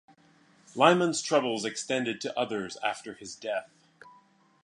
Lymon's troubles extended to others after his death.